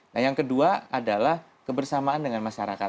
nah yang kedua adalah kebersamaan dengan masyarakat